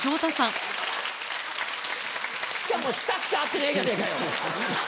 しかも「下」しか合ってねえじゃねぇかよ！